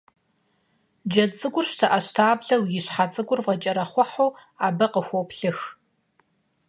Джэд цӀыкӀур щтэӀэщтаблэу, и щхьэ цӀыкӀур фӀэкӀэрэхъухьу абы къыхоплъых.